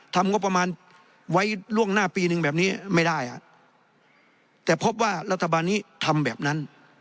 ทำงบประมาณไว้ล่วงหน้าปีหนึ่งแบบนี้ไม่ได้แต่พบว่ารัฐบาลนี้ทำแบบนั้น